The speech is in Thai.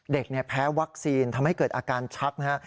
แพ้วัคซีนทำให้เกิดอาการชักนะฮะ